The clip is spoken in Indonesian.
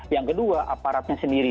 yang kedua aparatnya sendiri